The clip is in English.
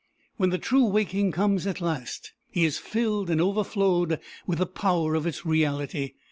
When the true waking comes at last, he is filled and overflowed with the power of its reality.